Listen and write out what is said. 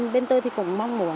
bên tôi thì cũng mong muốn